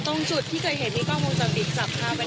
ตรงจุดที่เคยเห็นนี่ก็มองจะบิดจากท่าไปได้ไหมครับ